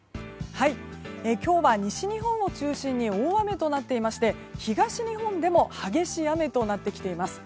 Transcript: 今日は西日本を中心に大雨となっていまして東日本でも激しい雨となってきています。